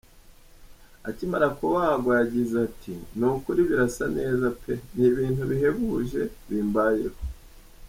Akimara kubagwa yagize ati:"Ni ukuri birasa neza pe, ni ibintu bihebuje bimbayeho.